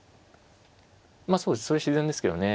まあそうですそれ自然ですけどね。